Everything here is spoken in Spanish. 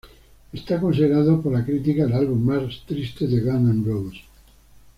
Es considerado por la crítica el álbum más triste de Guns N' Roses.